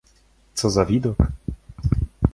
"Co za widok!"